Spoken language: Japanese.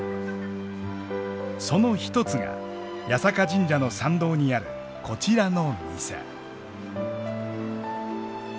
その一つが八坂神社の参道にあるこちらの店。